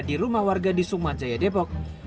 di rumah warga di sumat jaya depok